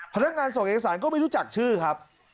พนักงานส่งเอกสารก็ไม่รู้จักชื่อครับ